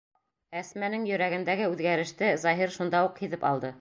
Әсмәнең йөрәгендәге үҙгәреште Заһир шунда уҡ һиҙеп алды.